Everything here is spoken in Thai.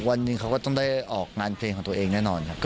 วันหนึ่งเขาก็ต้องได้ออกงานเพลงของตัวเองแน่นอนครับ